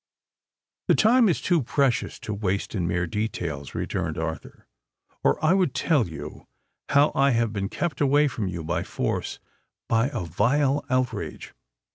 "The time is too precious to waste in mere details," returned Arthur; "or I would tell you how I have been kept away from you by force—by a vile outrage.